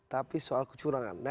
tapi soal kecurangan